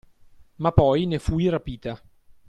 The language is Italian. Ma poi ne fui rapita.